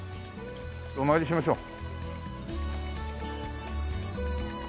お参りしましょう。